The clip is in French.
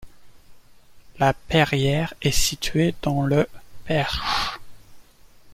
La Perrière est située dans le Perche.